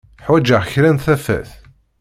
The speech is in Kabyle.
Ḥwaǧeɣ kra n tafat.